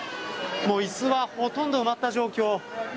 椅子はほとんど埋まった状況。